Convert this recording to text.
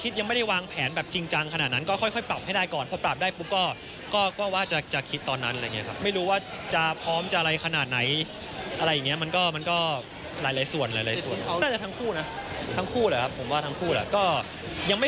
สำหรับคู่ของเขามากเลยค่ะ